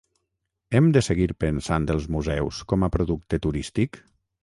Hem de seguir pensant els museus com a producte turístic?